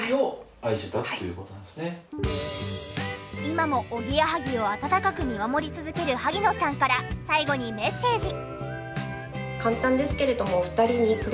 今もおぎやはぎを温かく見守り続ける萩野さんから最後にメッセージ。